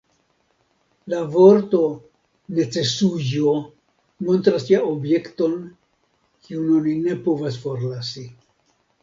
La vorto _necesujo_ montras ja objekton, kiun oni ne povas forlasi.